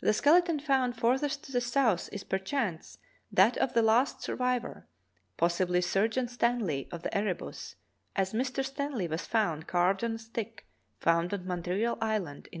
The skeleton found farthest to the south is, perchance, that of the last survivor, possibly Surgeon Stanley of the ErehuSy as "Mr Stanley" was found carved on a stick found on Montreal Island in 1855.